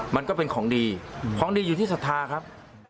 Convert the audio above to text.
มันก็เป็นของดีของดีอยู่ที่ศรัทธาครับ